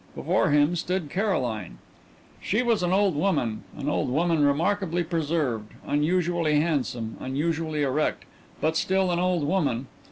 Before him stood Caroline. She was an old woman, an old woman remarkably preserved, unusually handsome, unusually erect, but still an old woman.